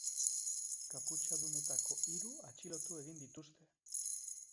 Kaputxadunetako hiru atxilotu egin dituzte.